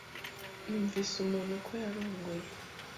Numvise umuntu ko yarongoye.